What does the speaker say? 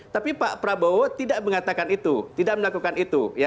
tapi pak prabowo tidak mengatakan itu tidak melakukan itu